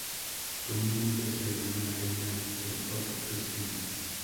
Comúnmente se la llama "Reina del Pop Cristiano".